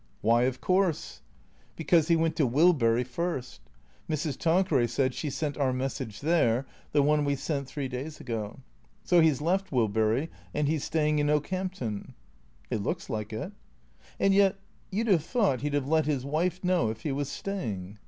" Why ' of course '?"" Because he went to Wilbury first. Mrs. Tanqueray said she sent our message there — the one we sent three days ago. So he 's left Wilbury and he 's staying in Okehampton." " It looks like it." " And yet — you 'd have thought he 'd have let his wife know if he was staying."